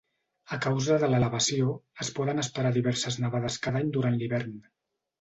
A causa de l'elevació, es poden esperar diverses nevades cada any durant l'hivern.